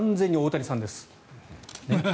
完全に大谷さんです。